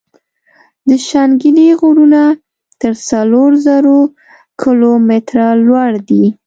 د شانګلې غرونه تر څلور زرو کلو ميتره لوړ دي ـ